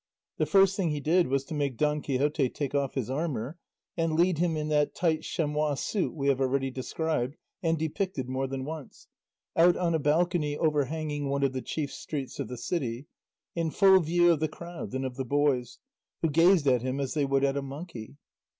The first thing he did was to make Don Quixote take off his armour, and lead him, in that tight chamois suit we have already described and depicted more than once, out on a balcony overhanging one of the chief streets of the city, in full view of the crowd and of the boys, who gazed at him as they would at a monkey.